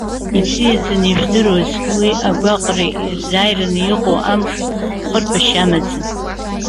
Ибзиаӡаны ижәдыруаз, уи агәаҟра ирзааираны иҟоу амш хырԥашьа амаӡам.